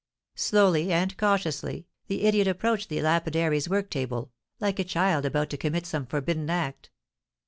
Slowly and cautiously the idiot approached the lapidary's work table, like a child about to commit some forbidden act.